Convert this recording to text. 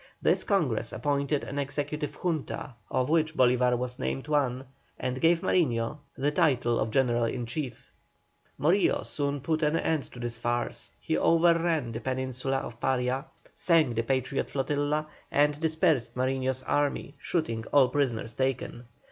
This Congress appointed an executive Junta, of which Bolívar was named one, and gave Mariño the title of general in chief. Morillo soon put an end to this farce; he overran the peninsula of Paria, sank the Patriot flotilla, and dispersed Mariño's army, shooting all prisoners taken.